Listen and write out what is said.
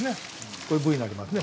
こういう部位になりますね。